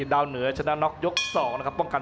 ยังเหลือคู่มวยในรายการ